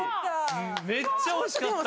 めっちゃ惜しかった。